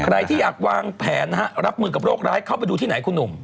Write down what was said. ใครที่อยากวางแผนนะฮะรับมือกับโรคร้ายเข้าไปดูที่ไหนคุณหนุ่ม